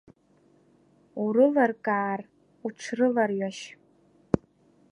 Урылыркаар уҽрыларҩашь.